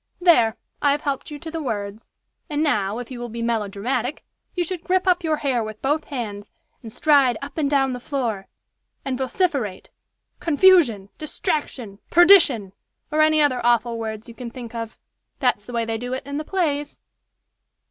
There! I have helped you to the words. And now, if you will be melo dramatic, you should grip up your hair with both hands, and stride up and down the floor and vociferate, 'Confusion! distraction! perdition! or any other awful words you can think of. That's the way they do it in the plays."